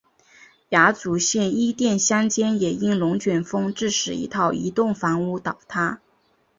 亚祖县伊甸乡间也因龙卷风致使一套移动房屋倒塌。